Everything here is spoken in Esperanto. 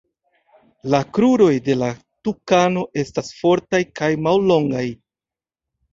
La kruroj de la tukano estas fortaj kaj mallongaj.